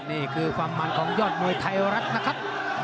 นี่คือความมันของยอดมวยไทยรัฐนะครับ